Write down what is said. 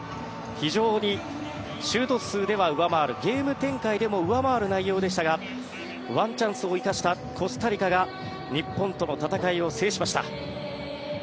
非常にシュート数では上回るゲーム展開でも上回る内容でしたがワンチャンスを生かしたコスタリカが日本との戦いを制しました。